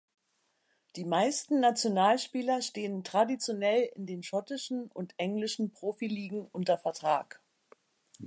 Die meisten Nationalspieler stehen traditionell in den schottischen und englischen Profiligen unter Vertrag.